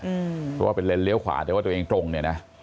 เพราะว่าเป็นเลนเลี้ยวขวาแต่ว่าตัวเองตรงเนี่ยนะ